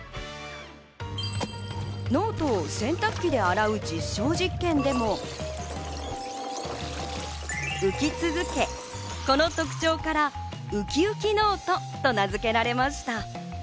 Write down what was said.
ノートを洗濯機で洗う実証実験でも、浮き続け、この特徴からウキウキノートと名付けられました。